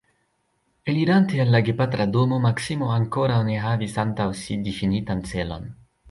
Elirante el la gepatra domo, Maksimo ankoraŭ ne havis antaŭ si difinitan celon.